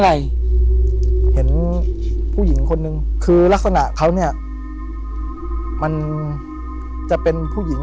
เห็นผู้หญิงคนนึงคือลักษณะเขาเนี่ยมันจะเป็นผู้หญิง